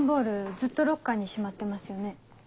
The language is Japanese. ずっとロッカーにしまってますよね。